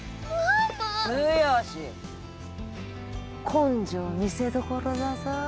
根性見せどころだぞ